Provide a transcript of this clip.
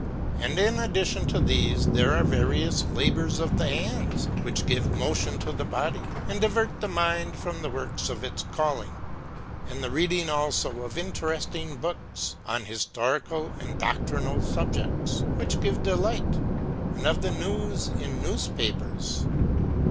And in addition to these there are various labors of the hands, which give motion to the body, and divert the mind from the works of its calling ; and the reading also of interesting books, on historical and doctrinal subjects, which give delight, and of the news in newspapers.